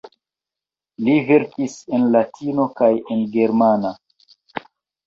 Li verkis en latino kaj en germana.